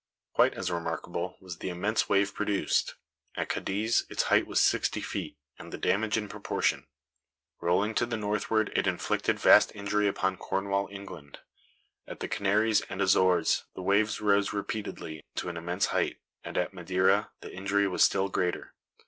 Quite as remarkable was the immense wave produced. At Cadiz its height was sixty feet, and the damage in proportion. Rolling to the northward it inflicted vast injury upon Cornwall, England. At the Canaries and Azores the waves rose repeatedly to an immense height; and at Madeira the injury was still greater.